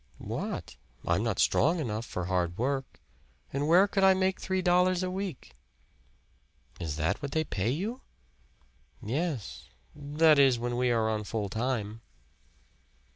"What? I'm not strong enough for hard work. And where could I make three dollars a week?" "Is that what they pay you?" "Yes that is when we are on full time."